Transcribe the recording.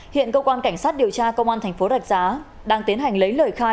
hiện cơ quan cảnh sát điều tra công an thành phố rạch giá đang tiến hành lấy lời khai